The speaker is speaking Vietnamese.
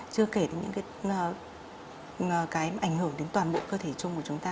chưa kể những cái ảnh hưởng đến toàn bộ cơ thể chung của chúng ta